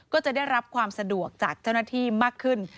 ก็จะได้รับความสะดวกจากเจ้าหน้าที่มากขึ้น